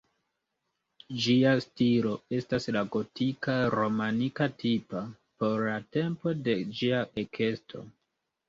Ĝia stilo estas la gotika-romanika tipa por la tempo de ĝia ekesto.